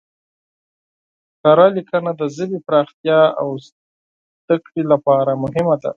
کره لیکنه د ژبې پراختیا او زده کړې لپاره مهمه ده.